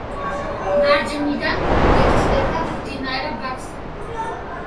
მარჯვნიდან უერთდება მდინარე ბაქსანი.